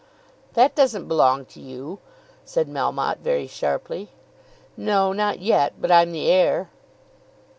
"That doesn't belong to you," said Melmotte, very sharply. "No; not yet. But I'm the heir."